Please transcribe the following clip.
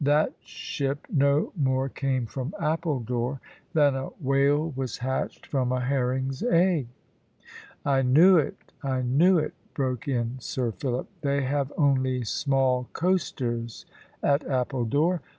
That ship no more came from Appledore than a whale was hatched from a herring's egg." "I knew it; I knew it," broke in Sir Philip. "They have only small coasters at Appledore.